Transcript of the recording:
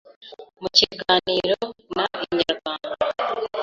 Mu kiganiro na inyarwanda,